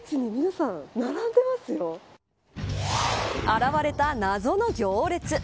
現れた謎の行列。